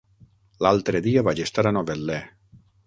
L'altre dia vaig estar a Novetlè.